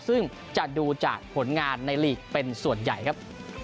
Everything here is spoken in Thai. ซึ่งจะดูจากผลงานในลีกเป็นส่วนใหญ่ครับ